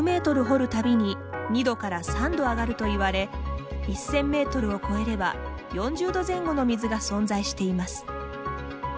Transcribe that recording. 掘るたびに２度から３度上がるといわれ１０００メートルを越えれば４０度前後の水が存在しています。